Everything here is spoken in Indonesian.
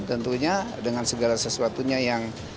tentunya dengan segala sesuatunya yang